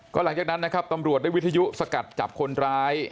หลังจากนั้นนะครับตำรวจได้วิทยุสกัดจับคนร้าย